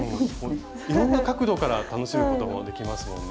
いろんな角度から楽しむこともできますもんね。